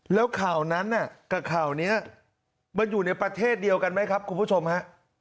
แล้วข่าวนั้นกับข่าวนี้มันอยู่ในประเทศเดียวกันไหมครับคุณผู้ชมฮะ